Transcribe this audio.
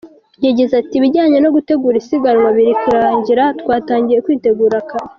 Yagize ati “Ibijyanye no gutegura isiganwa biri kurangira, twatangiye kwitegura kare.